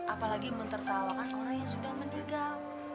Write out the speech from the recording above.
apalagi mentertawakan orang yang sudah meninggal